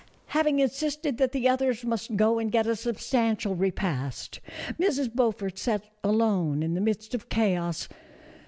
Having insisted that the others must go and get a substantial repast, Mrs. Beaufort sat alone in the midst of chaos.